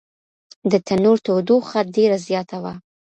د تنور تودوخه ډېره زیاته وه.